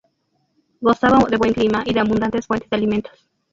Gozaba de buen clima y de abundantes fuentes de alimentos.